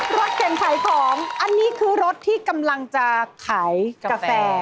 รถเข็นขายของอันนี้คือรถที่กำลังจะขายกาแฟ